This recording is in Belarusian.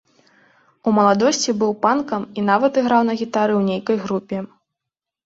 У маладосці быў панкам і нават іграў на гітары ў нейкай групе.